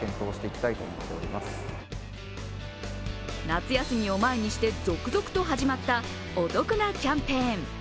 夏休みを前にして続々と始まったお得なキャンペーン。